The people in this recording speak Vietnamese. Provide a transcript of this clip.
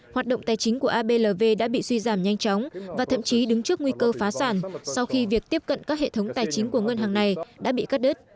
hoạt động tài chính của abv đã bị suy giảm nhanh chóng và thậm chí đứng trước nguy cơ phá sản sau khi việc tiếp cận các hệ thống tài chính của ngân hàng này đã bị cắt đứt